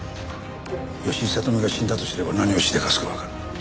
吉井聡美が死んだと知れば何をしでかすかわからん。